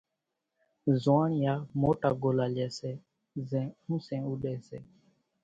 زوئاڻيا موٽا ڳولا لئي سي زين اونسين اُوڏي سي۔